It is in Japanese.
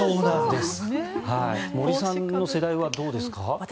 森さんの世代はどうですか。